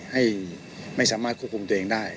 ให้ไม่สามารถควบคุมตัวเองได้